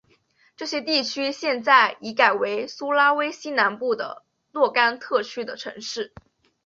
这些地区现在已改为苏拉威西南部的若干特区和城市。